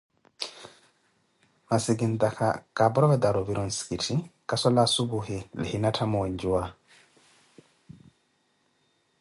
masi kintaaka kaaporovetari ovira onsikitthi kaswali asuphuhi lihina tthamuwe njuwa.